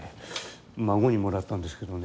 孫にもらったんですけどね。